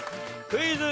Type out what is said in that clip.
クイズ。